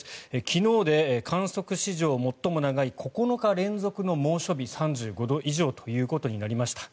昨日で観測史上最も長い９日連続の猛暑日３５度以上ということになりました。